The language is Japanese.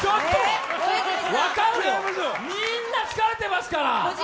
みんな疲れてますから。